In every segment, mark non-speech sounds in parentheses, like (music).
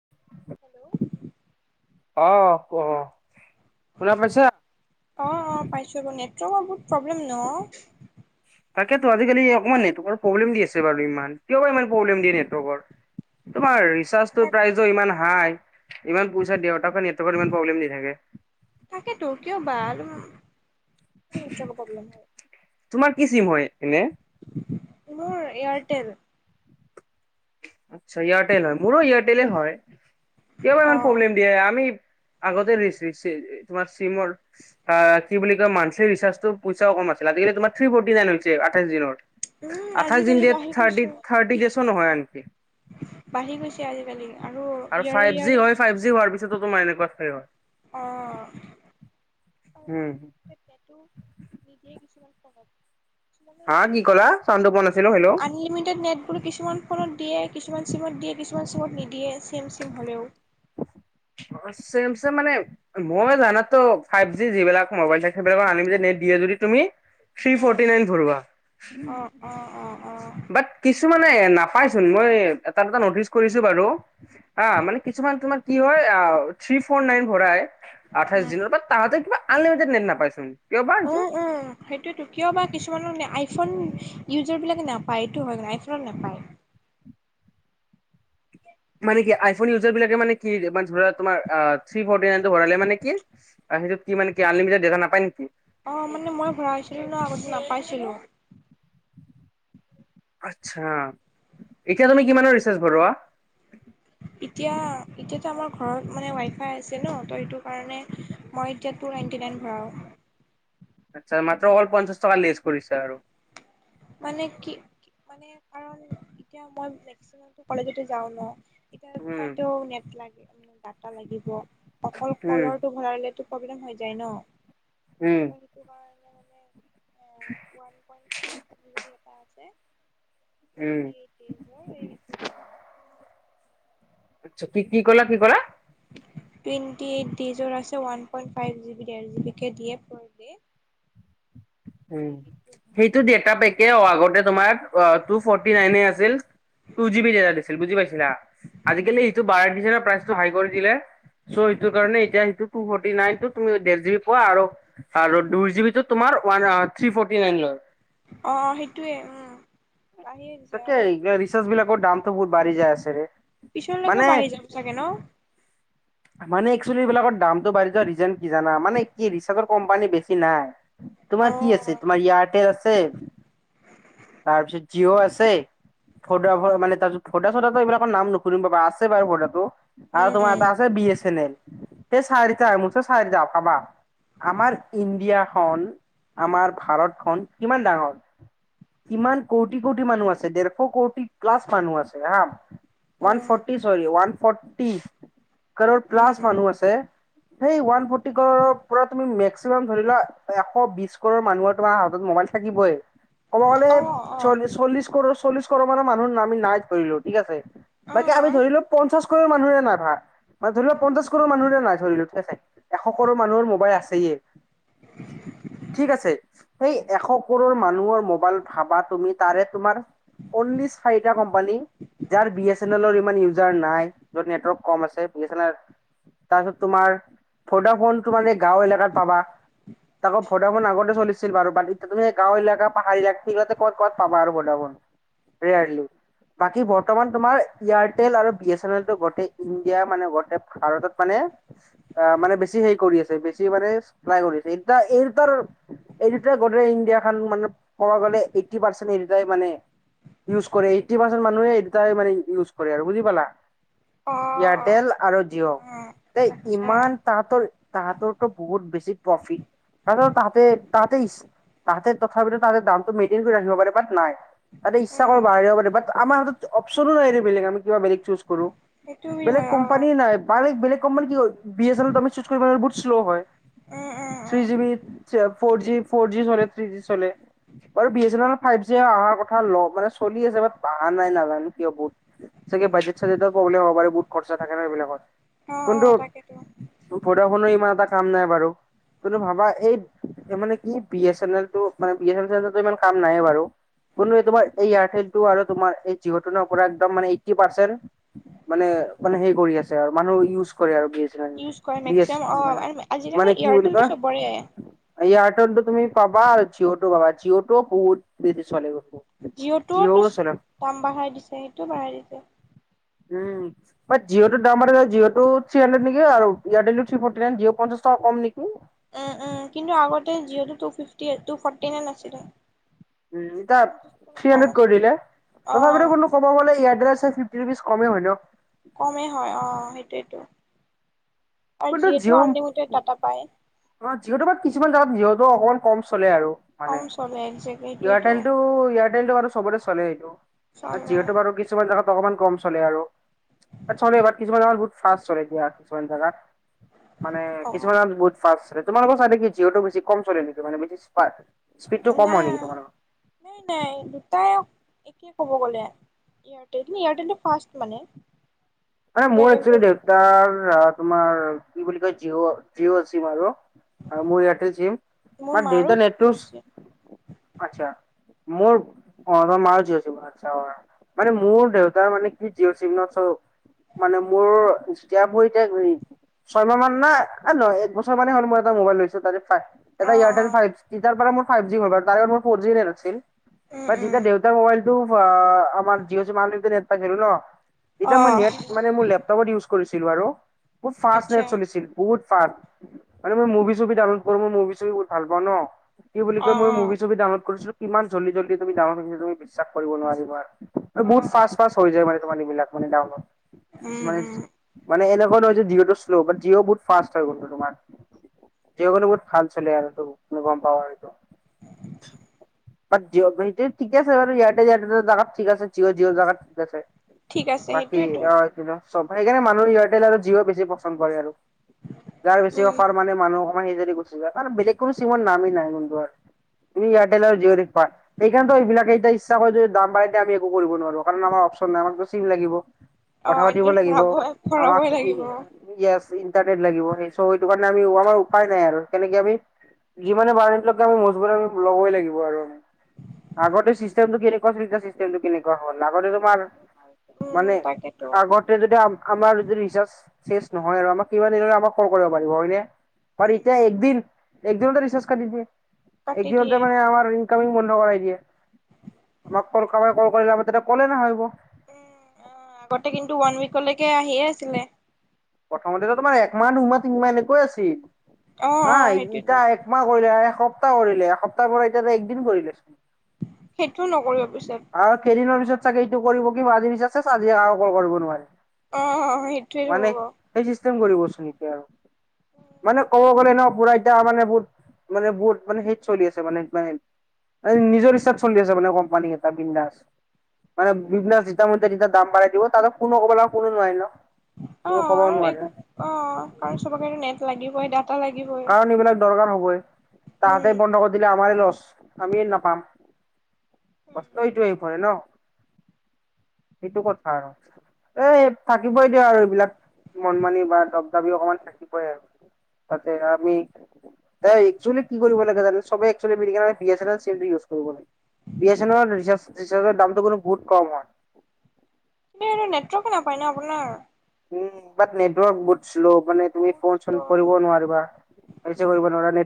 Hello অ ক অ অ পাইছো বাৰ নেটৱৰ্কৰ বহুত প্ৰব্লেম ন। তাকেতো আজিকালি অকণমান নেটৱৰ্কৰ প্ৰব্লেম দি আছে বাৰু ইমান কিয় বা ইমান প্ৰব্লেম দিয়ে নেটৱৰ্কৰ তোমাৰ ৰিচাৰ্জটোৰ তাক প্ৰাইজো ইমান হাই। ইমান পইচা দেৰটকা নেটৱৰ্কৰ ইমান প্ৰব্লেম দি থাকে। তাকেতো কিয় বা নেটৱৰ্কৰ প্ৰব্লেম হয়। তোমাৰ কি চিম হয়? এনে? মোৰ এয়াৰটেল। আচ্ছা এয়াৰটেল হয়, মোৰো এয়াৰটেলে হয়। কিয় বা ইমান অ', অ', প্ৰব্লেম দিয়ে আমি আগতে ৰিচি তোমাৰ চিমৰ কি বুলি কয় মান্থলি ৰিচাৰ্টো পইচাও কম আছিল আজিকালি তোমাৰ থী ফৰ্টি নাইন। আথাইচ দিনত, উম, আথাইচ আজিকালি দিয়া বাঢ়ি গৈছে। থাৰ্টি ডেছো নহয় আনকি। বাঢ়ি গৈছে আজিকালি। আৰু ইয়াৰে ফাইভ জি ইয়াৰে হয় ফাইভ জি হোৱাৰ পিছতো তোমাৰ এনেকোৱা হয় অঁ উম। তে পেটটো নিদিয়ে কিছুমান সময়ত হা দ কি ক'লা চাউণ্ডটো পোৱা নাছিলো হেল্ল' আনলিমিটেড নেটবোৰ কিছুমান ফোনত দিয়ে কিছুমান চিমত দিয়ে কিছুমান চিমত নিদিয়ে চেম চিম হ'লেও অ চেমচং মানে মই জানাতো ফাইভ জি যিবিলাক মবাইল থাক সেইবাক আনলিমিটেড নেট দিয়ে। যদি তুমি থ্ৰী উম, ফৰ্টি নাইন ভৰোৱা অ', অ', অ', অ', বাট কিছুমান মানে নাপাইচোন মই এটা এটা নটিচ কৰিছো বাৰু হা মানে কিছুমান তোমাৰ কি হয় থ্ৰী ফৰ নাইন ভৰাই আঠাইছ উম। দিনৰ বা তাহতে কিবা আনলিমিটেড নেট নাপাইচোন। কিয় বা অ এইটো অ সেইটোয়েতো কিয় বা কিছুমানৰে আইফোন ইউজাৰ বিলাকে নাপায় এইটো হয় আইফোনত নাপায়। মানে কি আইফোন ইউজাৰ বিলাকে মানে কি মানচ ধৰা তোমাৰ থ্ৰী ফৰ্টি নাইন টো ভৰালে মানে কি সেইটো কি মানে কি আনলিমিটেড ডেতা নাপায় নেকি অ মানে মই ভৰাই ছিলো ন আগতে নাপাইছিলো আচ্ছা এতিয়া তুমি কিমানৰ ৰিচাৰ্চ ভৰোৱা এতিয়া এতিয়াতো আমাৰ ঘৰত মানে ৱাইফাই আছে ন তো এইটো কাৰণে মই এতিয়া টু নাইণ্টি নাইন ভৰাও আচ্ছা মাত্ৰ অকল পঞ্চাশ টকা লেচ কৰিছে আৰু মানে কি কি মানে কাৰণ এতিয়া মই মেক্সিমাম কলেজতে যাও ন এতিয়া উম তাতেও নেট লাগে ডাটা লাগিব অকল উম কলৰটো ভৰালে টো প্ৰব্লেম হৈ যায় ন উম ত' সেইটো কাৰণে মানে ওৱান পইণ্ট ফাইভ জি বুলি এটা আছে উম টুৱেটি এইট ডেইজ হয় এইটো ভৰাও আচ্ছা তুমি কি কি কলা কি কলা টি এইট ডেইজৰ আছে ওৱান পইণ্ট ফাইভ জিৱি ডেৰ জিৱি কে দিয়ে পাৰ দে উম সেইটো ডেতা পেকে অ আগতে তোমাৰ টু ফৰ্টি নাইনহে আছিল। টু জিবি ডেতা দিছিল বুজি পাইছিলা আজিকালিটো বাৰ প্ৰাইজটো হাৰি কৰি দিলে চৰ- কাৰণে এতিয়া সেইটো টু ফৰ্টি নাইন টো তুমি দেৰ জি বি পোৱা আৰু দুই জি বি টো তোমাৰ থ্ৰী ফৰ্টি নাইন লয় অ সেইটোৱে উম বাঢ়িয়ে দিছে তাকে আৰু ৰিচাৰ্চ বিলাকৰ দাম টো বহুত বাঢ়ি যায় আছেৰে পিছলৈকে মানে বাঢ়ি যাব চাগে ন? মানে একশ্যেলি এইবিলাকৰ দামটো বাঢ়ি যোৱা ৰিজন কি জানা মানে কি ৰিচাৰ্চৰ কোম্পানী বেছি নাই অ তোমাৰ কি আছে তোমাৰ এয়াৰটেল আছে তাৰপিছত জিঅ' আ- ছে ফদাফ মানে তাৰ ফডা চডা এইবিলাকৰ নাম নুশুনিব পাৰ আছে বাৰু ফডা টো উম উম বি এছ এন এল সে চাৰিটা মুঠে চাৰিতা পাবা আমাৰ ইণ্ডিয়াখন আমাৰ ভাৰতখন কিমান ডাঙৰ কিমান কৌটি কোটি মানুহ আছে দেৰশ কোটি ক্লাছ মানুহ আছে হা অ ওৱান ফৰ্টি চৰি ওৱান ফৰ্টি কৰ প্লাছ উম মানুহ আছে সেই ওৱান ফৰটি কৰৰ পৰা তুম মেক্সিমাম ধৰি লোৱা এশ বিশ কৰৰ মানুহৰ তোমাৰ হাতত মবাইল থাকিবই কব গলে অ অ চল্লি চল্লিছ কৰৰ চল্লিশ কৰৰ মানৰ মানুহ নামি নাই ধৰিলো ঠিক আছে। বাকী আমি অ ধৰিলো পঞ্চাশ কৰৰ মানুহে নাই তাত মানে ধৰি লোৱা পঞ্চাশ কৰৰ মানুহৰে নাই ধৰিলো ঠিক আছে এশ কৰৰ মানুহৰ মোবাইল আছেইয়ে ঠিক আছে সেই এশ কৰোৰ মানুহৰ মোবাইল ভাবা তুমি তাৰে তোমাৰ অনলি চাৰিটা কোম্পানী যাৰ বি এছ এন এলৰ ইমান ইউজাৰ নাই য'ত নেটৱৰ্ক কম আছে বিএছ এন এল তাৰপিছত তোমাৰ ফডাফোন তোমাৰ এই গাঁও এলেকাত পাবা তাকো ভডাফোন আগতে চলিছিল বাৰু তাত তুমি গাঁও এলেকা পাহাৰীয়া তাতে ক'ত ক'ত পাবা আৰু ভডাফোন বাকী বৰ্তমান তোমাৰ এয়াৰটেল আৰু বিএ চেনেলটো গোটেই ইণ্ডিয়া মানে গোটেই ভাৰতত মানে অ মানে বেছি হেৰি কৰি আছে বেছি মানে চলাই কৰি এ এই দুটাৰ এই দুটাই গোটেই ইণ্ডিয়াখন মানে কব গলে এইটটি পাৰ্চেন্ট এই দুটাই মানে ইউজ কৰে এইটি পাৰ্চেণ্ট মানুহে এই দুটাই মানে ইউজ কৰে আৰু বুজি পালা অ ইয়াত আৰু অ জিঅ আচ্ছা ইমান তাহঁতৰ তাহাঁতৰো বহুত বেছি প্ৰফিট তাৰপিছত তাহাঁতে-তাহাঁতে তাহাঁতে তথাপিতো তাৰে দামটো মেইনটেইন কৰি ৰাখিব পাৰে নাই তাহাঁতে ইচ্ছা উম কৰি বাহিৰ আমাৰ হাতত অপশনো নাই বেলেগ আমি কিবা বেলেগ চুজ কৰো সেইটো বেলেগ হয় অ কোম্পানী নাই বা এই বেলেগ কোম্পানী কি হয় বিএছ চেনেলটো আমি চুজ কৰিব বহুত স্ল' হয় উম উম উম থিজিবি, ফজি, ফৰজি চলে, থিজি চলে বাৰু বিএছএনএল ফাইভ জি অহাৰ কথা ল মানে চলি আছে বাদ অহা নাই নাজানো কিয় বহুত প্ৰব্লেম হ'ব পাৰে খৰচা থাকে ন এইবিলাকত অ অ কিন্তু তাকেতো ভদাফোনৰ ইমান এটা কাম নাই বাৰু কিন্তু ভাবা এই মানে কি বিএছএনএলটো মানে বিএছএনএলটো ইমান কাম নাইয়েই বাৰু এইয়াৰটো আৰু তোমাৰ এই জিঅ টনৰ পৰা মানে এইট্ৰি পাচেণ্ট মানে মানে সেই কৰি আছে আৰু মানুহ ইউজ কৰে আৰু ইউজ কৰে (unintelligible) বি মেক্সিমাম অ মান আজিকালি মানে কি বুলি এয়াৰটেলটো চবৰে কয় এই আটো (unintelligible) তুমি পাবা আৰু জিঅ'টো পাবা জিঅ'টোও বহুত লেজি চলে জিঅ'টোওতো জিঅ'ও চলে দাম বাঢ়াই দিছে সেইটোও বাঢ়াই দিছে উম বাদ জিঅটোৰ দাম জিঅটো নেকি আৰু এয়াৰটেল থ্ৰি ফৰট্ৰি নাইন পঞ্চাশ টকা নেকি উম-উম কিন্তু আগতে জিঅ'টো ফৰটি নাইন আছিলে উ এতিয়া পঞ্চাশ টকা থ্ৰি কম হানড্ৰেড কৰি আছিলে। দিলে অ তথাপিতো কোনো কব গ'লে এয়াৰটেল কমেই হয় ন কমেই হয় অ সেইটোৱেই জিঅ আনলিমিটেড ডাটা পায়। জিঅটো বাদ কিছুমান জেগাত জিঅ অকনমান কম চলে চলে আৰু মানে কম চলে একজেক্টলি সেইটোৱেতো এয়াৰটেলটো-এয়াৰটেলটো বাৰু চবতে চলে এইটো চলে যিহেতু বাৰু কিছুমান জেগাত অকমান কম চলে আৰু চলে কিছুমান জেগাত বহুত ফাৰ্ষ্ট চলে দিয়া কিছুমান জেগাত মানে অ কিছুমান বহুত ফাৰ্ষ্ট চলে তোমালোকৰ চাইদে জিঅটো বেছি কম চলে নেকি মানে বেছি। স্পীডটো কম হয় নেকি তোমালোকৰ নাই-নাই-নাই দুটাই একে ক'ব গ'লে এয়াৰটেল এয়াৰটেল ফাষ্ট মানে মানে মোৰ এয়াৰটেলটো একচুৱেলি দেউতাৰ তোমাৰ কি বুলি কয় জিঅ-জিঅ' চিম আৰু আৰু মোৰ এয়াৰটেল চিম মোৰ মানে মাৰো দেউতাকৰ নেটটো জিঅ' আছিল। আ মোৰ অ ৰ মাৰ জিঅ চিমত অ মানে মোৰ দেউতাৰ মানে কি জিঅ' চিমত মানে মোৰ যেতিয়া ভৰিতে ছয়মাহ মান না এ নহয় এক বছৰ মানে হ'ল মই এটা মোবাইল লৈছে তাৰে অ এটা অ এয়াৰটেল ফাইভ জি (unintelligible) উম মই উম যেতিয়া দেউতাৰ মোবাইলটো আহ আমাৰ জিঅ চিমত আনলিমিটেড নেট পাইছিলোঁ ন (unintelligible) মই আহ নেট মানে (unintelligible) মোৰ লেপটপত ইউজ কৰিছিলোঁ আৰু মোৰ ফাৰ্ষ্ট নেট আচ্ছা চলিছিল বহুত (unintelligible) (unintelligible) মানে মই মুভি-চুভি ডাউনলোড কৰো মই মুভি-চুভি বহুত ভাল পাওঁ ন। কি বুলি অ কয় মই অ মুভি-চুভি ডাউনলোড কৰিছিলো কিমান জল্দি-জল্দি তুমি ডাউনলোড হৈছিল তুমি বিশ্বাস কৰিব নোৱাৰিবা আৰু (unintelligible) অ বহুত অ অ ফাৰ্ষ্ট-ফাষ্ট হৈ যায় মানে তোমাৰ এইবিলাক মানে ডাউনলোড উম উম মানে-মানে (unintelligible) (unintelligible) যে জিঅ'টো শ্ল' জিঅ' বহুত ফাৰ্ষ্ট হয় তোমাৰ জিঅ বহুত ভাল চলে আৰু ম‌ই গম পাৱ আৰু (unintelligible) (inaudible) বাদ জিঅ' (unintelligible) ঠিকে আছে বাৰু ইয়াতে জেগাত ঠিক আছে জিঅ'-জিঅ' জেগাত ঠিক আছে (unintelligible) ঠিক আছে বাকী সেইটোৱেইটো অ (unintelligible) চব সেইকাৰণে মানুহ এয়াৰটেল আৰু জিঅ' বেছি পচন্দ কৰে আৰু যাৰ বেছি উম অফাৰ মানে মানুহ (unintelligible) সেইৰি গুছি যায় কাৰণ বেলেগ চিমৰ কোনো নামেই নাই মই আৰু। ডি এয়াৰটেলৰ আৰু জিঅ' একছ পাৰ্ট সেইকাৰণে টো এইবিলাকে এতিয়া ইচ্ছা হয় যে দাম বাৰোতে আমি একো কৰিব নোৱাৰো। কাৰণ আমাৰ- চ' আমাক টো চিম লাগিব অ কথা পাতিব এদিনত লাগিব। ভৰাবই ভৰাবই আমাক- লাগিব। ইণ্টাৰনেট লাগিব। সেই চ' সেইটো কাৰণে আমি আমাৰ উপায় নাই আৰু কেনেকে আমি। যিমানে বাৰহক আমি মছবুৰ আমি ল'বই লাগিব আৰু আমি। (unintelligible) আগতে ষ্টিটেম কেনেকুৱা ষ্টেটম টো কেনেকুৱা হ'ল। আগতে তোমাৰ মানে তাকে। আগতে যেতিয়া আমাৰ ৰিচাৰ্জ শেষ নহয় আৰু আমাৰ কেইবা দিনো আমাক ক্ল' কৰিব পাৰিব হয় নে। (unintelligible) পাৰি উম এতিয়া একদিন একদিনতে ৰিচাৰ্জ কাটি দিয়ে কাটি দিয়ে একদিনতে মানে আমাৰ- ইনকামিং বন্ধ কৰাই দিয়ে। আমাক ক্ল' কৰা সকলে ক'লে নহা হ'ব। উম' আগতে কিন্তু ওৱান উইকলৈকে আহিয়ে আছিলে। প্ৰথমতো তোমাৰ এক মা দুমাহ মান আছে। অ অ অঁহ সেইটোয়েতো এতিয়া একমাহ কৰিলে এসপ্তাহ কৰিলে এসপ্তাহ পৰা এতিয়া একদিন কৰিলে। সেইটোও নকৰিব। পিছত আৰু কেইদিনৰ পিছত চাগে এইটো কৰিব কি ম আজি আচে আজি আৰু ক'ল কৰিব নোৱাৰে। অঁহ অ সেইটোৱে হ'ব। কৰিব চোন এতিয়া আৰু। মানে ক'ব গ'লে ন পুৰা এতিয়া মানে বহুত মানে বহুত মানে হেত চলি আছে মানে মানে। নিজৰ ইচ্ছাত চলি আছে মানে কোম্পানীয়ে। বিন্দাচ মানে বিন্দাচ যেতিয়া দাম বঢ়াই দিব ত' কোনো ক'ব নোৱাৰে ন'। কোনো অঁহ ক'বও নোৱাৰে আৰু অঁ কাৰণ চবকে নেট লাগিবই তা'ত। কাৰণ এইবিলাক দৰকাৰ হবই তাহাতে উম বন্ধ কৰি দিলে আমাৰ ল'ছ আমি নাপাম। কষ্ট এইটোৱেই হয় ন। (unintelligible) (inaudible) সেইটো কথা আৰু এই থাকিবই দিয়া আৰু এইবিলাক। মন মানি বা দব দাবি অকণমান থাকিবই আৰু। তা'তে আমি- এক্সচলি এই কি কৰিব লাগে জা'ন চবেই actually B A channel D A channel use লাগে। বি এ চেন্ট্ৰেলৰ ৰিচাৰ্জৰ দামটো বহুত কম হয়। সেই নেটৱৰ্ক নাপায় ন আপোনাৰ? উম' নেটৱৰ্ক বহুত শ্ল' মানে তুমি বহুত ফোন চোন কৰিব শ্ল নোৱাৰিবা।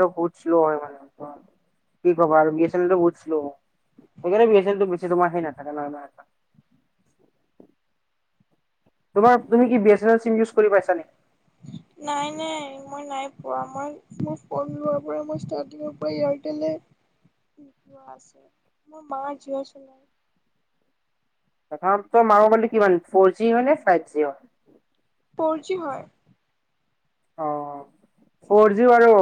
বহুত শ্ল' হয় মানে কি কবা আৰু বি এ চেন্ট্ৰেল বহুত শ্ল' হয়। চবৰেই বি এ চেন্ট্ৰেল বেছি তোমাৰ সেৰি নাথাকে নহয়। (inaudible) তোমাৰ তুমি কি B A central SIM use কৰি পাইছা নেকি? নাই নাই মই নাই পোৱা মই মোৰ ফোন লোৱাৰ পৰা মই ষ্টাৰটিংৰ পৰা এয়াৰটেলে ইওচ কৰি আছোহ পোৱা নাই। মোৰ মাৰ জিঅ চিম চলাই। প্ৰথতো মাৰ মোবাইল টো কিমান ফৰ জি হয় নে ফাইভ জি হয়? (unintelligible) ফৰ জি হয়। অ ফৰ জি আৰু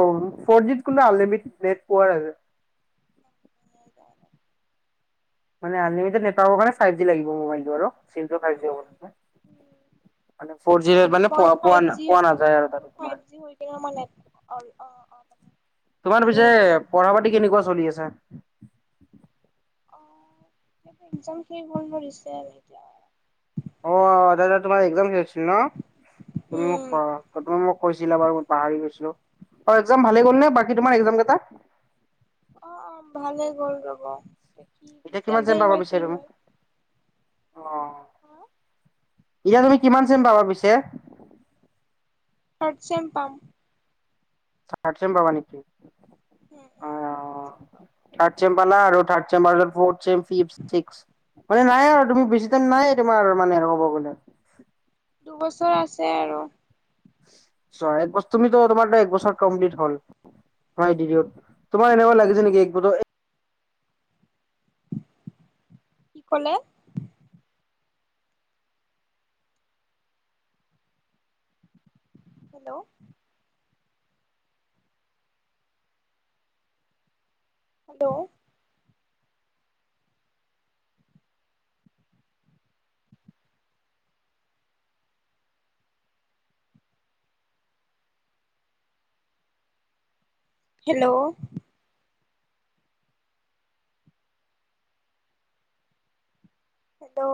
ফৰ জিত কোনো আনলিমিটড নেট পোৱা নেজাই। (inaudible) মানে আনলিমিটেড নাপাব কাৰণে ফাইভ জি লাগিব মোবাইলটো আৰু উম উম (unintelligible) উম মানে ফ'ৰ জি মানে মই পোৱা পোৱা ফাইভ জি পোৱা মোৰ নাযায় আৰু ফোন কিন্ত তাতে তোমাৰ ফাইভ জি হৈ কিনিও মই নেটৱৰ্ক নেপাও। তোমাৰ পিছে নেপাওঁ পঢ়া পাতি কেনেকুৱা চলি আছে? অঁ এক্জাম শেষ হৈ গৈছে আৰু এতিয়া। অঁ দাদা তোমাৰ এক্জাম হৈ আছে- ন' তুমি উম মোক তুমি মোক কৈছিলা বাৰু মই পাহৰি গৈছিলো। এক্জাম ভালেই গ'ল নে বাকী তোমাৰ এক্জাম কেইটা? অঁ অঁ ভালেই গ'ল বাৰু। এতিয়া কিমান চেন্টাৰ পৰা বিচাৰিবা মোক অঁ। এতিয়া তুমি কিমান চেম পাবা পিছে থাটৰ্চেম পাম (unintelligible) থাতচেম পাবা নেকি? (unintelligible) অ উম থাৰ্ড (unintelligible) চেম পালা আৰু থাটছেম আৰু ফৰছেম ফিপ, ছিক্স মানে নাই আৰু তোমাৰ টাইম তোমাৰ আৰু মানে। (unintelligible) শেষ হবলে দুবছৰ আছে আৰু। চ এক বছৰ তুমি তো তোমাৰ এক বছৰ কমপ্লিট হ'ল। হয় দিদিঅ তোমাৰ এনেকোৱা লাগিছে নেকি একব (inaudible) কি কলে হেল্ল' হেল্ল' হেল্ল' হেল্ল'